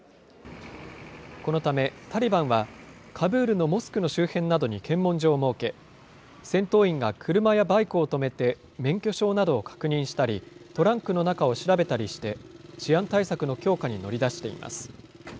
このため、タリバンはカブールのモスクの周辺などに検問所を設け、戦闘員が車やバイクを止めて、免許証などを確認したり、トランクの中を調べたりして、治安対策の強化に乗り出しています。